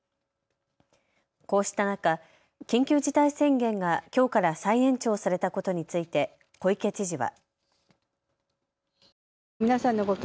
こうした中、緊急事態宣言がきょうから再延長されたことについて小池知事は。